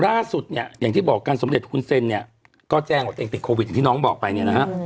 ล่าสุดเนี่ยอย่างที่บอกกันสำเร็จคุณเซ็นเนี่ยก็แจ้งว่าตัวเองติดโควิดอย่างที่น้องบอกไปเนี่ยนะฮะ